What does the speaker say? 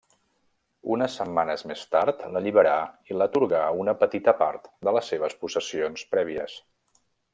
Unes setmanes més tard l'alliberà i l'atorgà una petita part de les seves possessions prèvies.